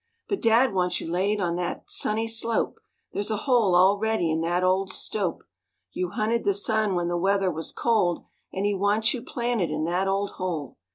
But Dad wants you laid on that sunny slope, There's a hole all ready in that old stope. You hunted the sun when the weather was cold, And he wants you planted in that old hole.